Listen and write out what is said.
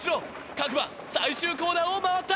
各馬最終コーナーを回った！